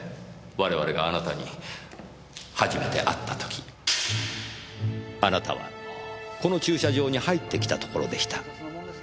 我々があなたに初めて会った時あなたはこの駐車場に入ってきたところでした。